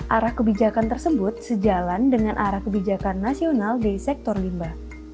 arah kebijakan tersebut sejalan dengan arah kebijakan nasional di sektor limba